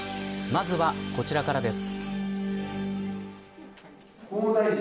まずは、こちらからです。